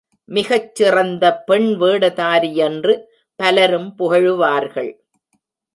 மிகச் சிறந்த பெண்வேடதாரியென்று பலரும் புகழுவார்கள்.